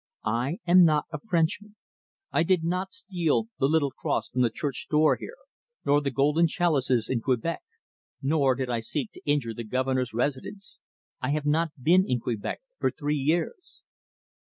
I am not a Frenchman; I did not steal the little cross from the church door here, nor the golden chalices in Quebec; nor did I seek to injure the Governor's residence. I have not been in Quebec for three years."